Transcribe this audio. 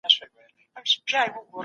که ښوونه سمه وي، زده کړه بې معنا نه کېږي.